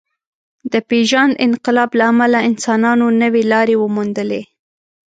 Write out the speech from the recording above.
د پېژاند انقلاب له امله انسانانو نوې لارې وموندلې.